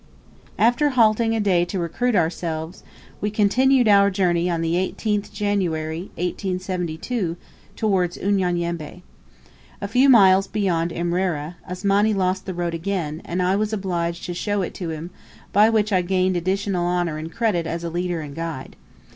After halting a day to recruit ourselves, we continued our journey on the 18th January, 1872, towards Unyanyembe. A few miles beyond Imrera, Asmani lost the road again, and I was obliged to show it to him, by which I gained additional honour and credit as a leader and guide.